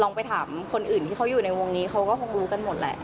ไปถามคนอื่นที่เขาอยู่ในวงนี้เขาก็คงรู้กันหมดแหละ